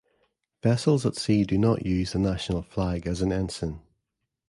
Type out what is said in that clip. Vessels at sea do not use the national flag as an ensign.